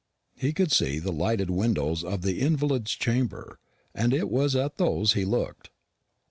He could see the lighted windows of the invalid's chamber, and it was at those he looked.